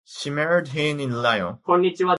She married him in Lyon.